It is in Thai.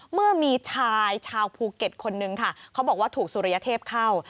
เมื่อมีชายชาวภูเก็ตคนนึงค่ะเขาบอกว่าถูกสุริยเทพเข้า